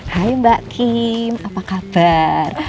hai mbak kim apa kabar